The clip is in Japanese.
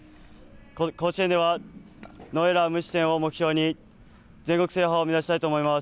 甲子園ではノーエラー、無失点を目標に全国制覇を目指したいと思います。